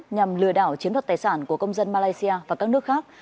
nhằm lừa đảo chiến thuật tài sản của công dân malaysia và các nước khác